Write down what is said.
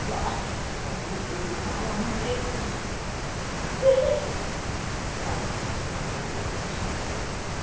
What a fool you are, Miggs!' 'There!' cried Miggs, unmindful of this compliment.